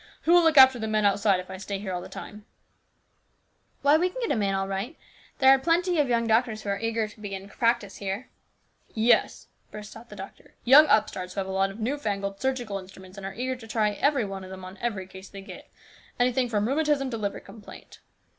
Who will look after the men outside if I stay here all the time?" the doctor asked stubbornly. " Why, we can get a man all right. There are plenty of young doctors who are eager to begin practice here." "Yes!" burst out the doctor, "young upstarts who have a lot of new fangled surgical instruments and are eager to try every one of them on every case they get ; anything from rheumatism to liver complaint.